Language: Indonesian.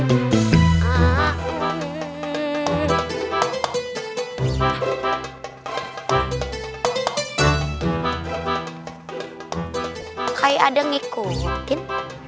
akhir mungkin ada yang ngikutin